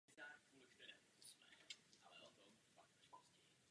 Vzpoura však navzdory mezinárodní podpoře byla potlačena.